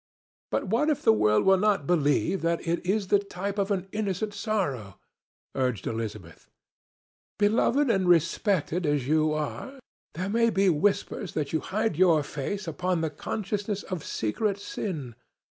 "But what if the world will not believe that it is the type of an innocent sorrow?" urged Elizabeth. "Beloved and respected as you are, there may be whispers that you hide your face under the consciousness of secret sin.